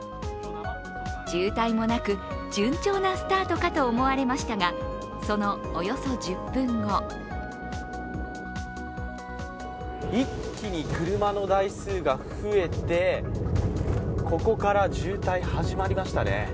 渋滞もなく順調なスタートかと思われましたが、そのおよそ１０分後一気に車の台数が増えて、ここから渋滞始まりましたね。